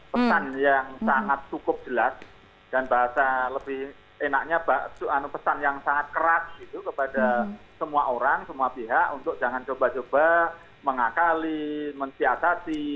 pesan yang sangat cukup jelas dan bahasa lebih enaknya pesan yang sangat keras gitu kepada semua orang semua pihak untuk jangan coba coba mengakali mensiasati